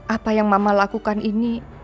apa yang mama lakukan ini